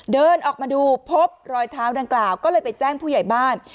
เดินออกมาดูพบรอยเท้าดังกล่าวก็เลยไปแจ้งผู้ใหญ่บ้าน